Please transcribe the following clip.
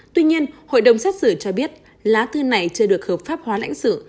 tuy nhiên hội đồng xét xử cho biết lá thư này chưa được hợp pháp hóa lãnh sự